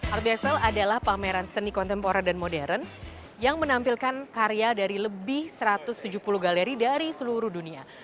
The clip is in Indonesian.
arbesel adalah pameran seni kontemporer dan modern yang menampilkan karya dari lebih satu ratus tujuh puluh galeri dari seluruh dunia